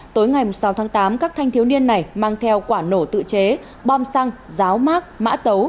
tối ngày sáu tháng tám các thanh thiếu niên này mang theo quả nổ tự chế bom xăng ráo mát mã tấu